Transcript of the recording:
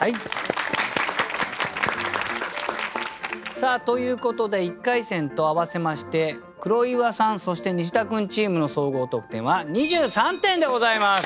さあということで１回戦と合わせまして黒岩さんそしてニシダ君チームの総合得点は２３点でございます！